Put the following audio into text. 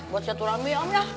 buat satu rame om ya